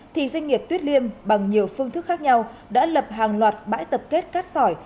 thì doanh nghiệp tuyết liêm bằng nhiều phương thức khác nhau đã lập hàng loạt bãi tập kết cát sỏi